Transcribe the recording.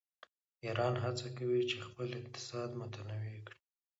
ایران هڅه کوي چې خپل اقتصاد متنوع کړي.